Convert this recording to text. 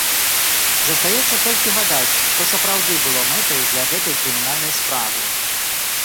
Застаецца толькі гадаць, што сапраўды было мэтай для гэтай крымінальнай справы?